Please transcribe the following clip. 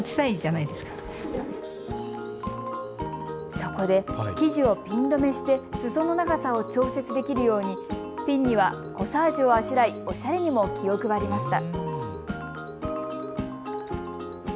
そこで生地をピン留めしてすその長さを調節できるようにピンにはコサージュをあしらい、オシャレにも気を配りました。